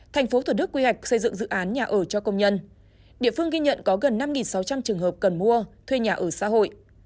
thành phố thủ đức quy hoạch xây dựng dự án nhà ở cho công nhân địa phương ghi nhận có gần năm sáu trăm linh trường hợp cần mua thuê nhà ở xã hội